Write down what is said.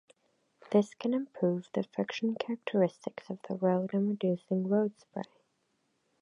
This can improve the friction characteristics of the road and reducing road spray.